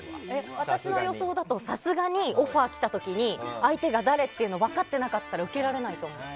私の予想だとさすがにオファー来た時に相手が誰っていうの分かってなかったら受けられないと思う。